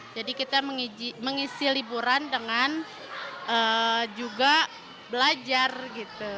jadi kita mengisi liburan dengan juga belajar gitu